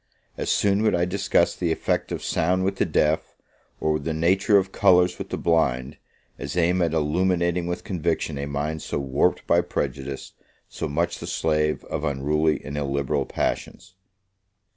As soon would I discuss the effect of sound with the deaf, or the nature of colours with the blind, as aim at illuminating with conviction a mind so warped by prejudice, so much the slave of unruly and illiberal passions.